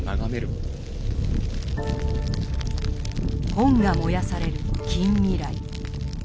本が燃やされる近未来。